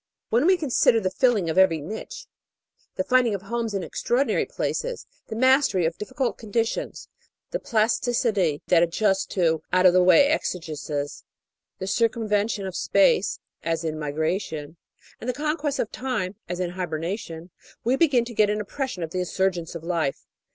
When we consider the filling of every niche, the finding of homes in extraordinary places, the mastery of difficult conditions, the plasticity that adjusts to out of the way exigences, the circumven tion of space (as in migration), and the conquest of time (as in hibernation), we begin to get an impression of the insurgence of life.